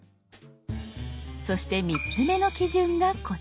そして３つ目の基準がこちら。